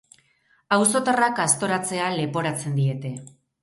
Auzotarrak aztoratzea leporatzen diete.